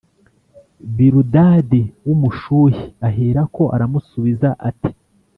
biludadi w’umushuhi aherako aramusubiza ati